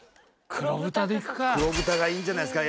黒豚がいいんじゃないですか？